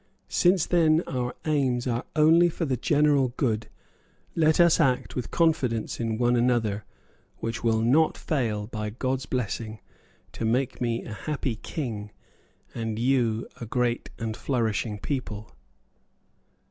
Since then our aims are only for the general good, let us act with confidence in one another, which will not fail, by God's blessing, to make me a happy king, and you a great and flourishing people."